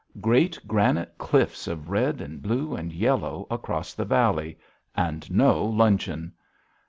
Great granite cliffs of red and blue and yellow across the valley and no luncheon!